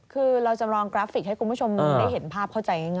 คือเราจำลองกราฟิกให้คุณผู้ชมได้เห็นภาพเข้าใจง่าย